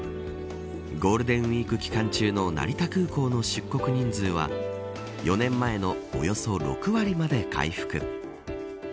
ゴールデンウイーク期間中の成田空港の出国人数は４年前のおよそ６割まで回復。